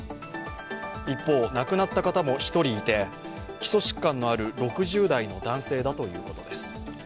一方、亡くなった方も１人いて、基礎疾患のある６０代の男性だということです。